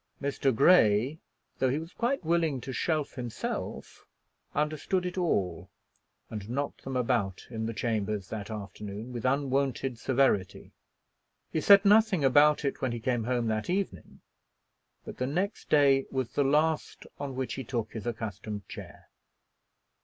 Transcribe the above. Mr. Grey, though he was quite willing to shelf himself, understood it all, and knocked them about in the chambers that afternoon with unwonted severity. He said nothing about it when he came home that evening: but the next day was the last on which he took his accustomed chair.